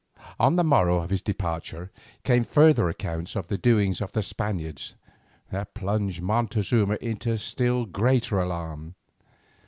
On the morrow of his departure came further accounts of the doings of the Spaniards that plunged Montezuma into still greater alarm.